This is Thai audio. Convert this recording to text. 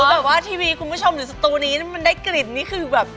แบบว่าทีวีคุณผู้ชมหรือสตูนี้มันได้กลิ่นนี่คือแบบ